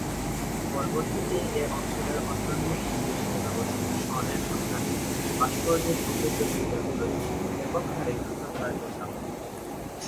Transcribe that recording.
পরবর্তীতে এ অঞ্চলের অন্যান্য ইন্ডিয়ান জনগোষ্ঠী স্বর্ণের সন্ধানে ভাস্কর্য সমৃদ্ধ গির্জাগুলোয় ব্যাপকহারে লুণ্ঠন কার্য চালায়।